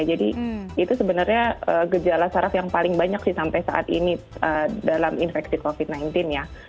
itu sebenarnya gejala saraf yang paling banyak sih sampai saat ini dalam infeksi covid sembilan belas ya